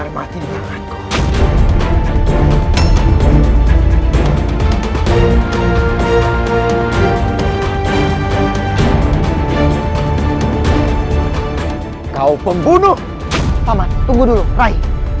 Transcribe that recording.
agrada opsi nikah impar they